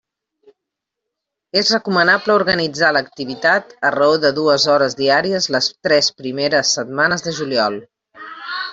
És recomanable organitzar l'activitat a raó de dues hores diàries les tres primeres setmanes de juliol.